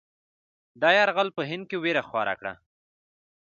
دا یرغل په هند کې وېره خوره کړه.